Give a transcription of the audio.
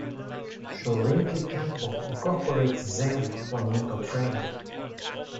Shorinji Kempo incorporates zen for mental training.